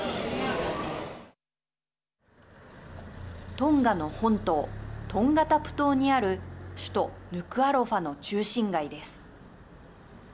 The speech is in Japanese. トンガの本島トンガタプ島にある首都ヌクアロファの中心街です。